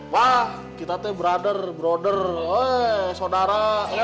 wah kita teh brother brother weh saudara